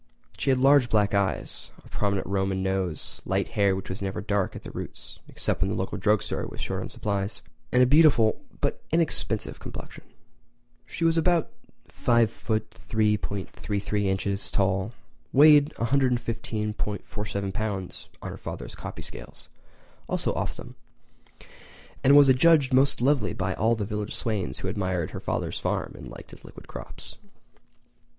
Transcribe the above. She had large black eyes, a prominent Roman nose, light hair which was never dark at the roots except when the local drug store was short on supplies, and a beautiful but inexpensive complexion. She was about 5ft 5.33...in tall, weighed 115.47 lbs. on her father's copy scales—also off them—and was adjudged most lovely by all the village swains who admired her father's farm and liked his liquid crops.